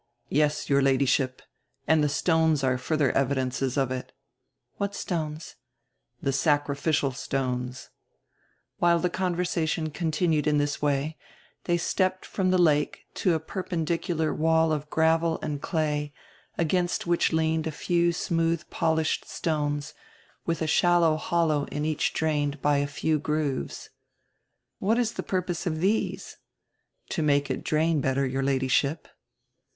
"Yes, your Ladyship, and die stones are furdier evi dences of it." "What stones?" "The sacrificial stones." While die conversation continued in diis way diey stepped from die lake to a perpendicular wall of gravel and clay, against which leaned a few smooth polished stones, widi a shallow hollow in each drained by a few grooves. "What is die purpose of these?" "To make it drain better, your Ladyship."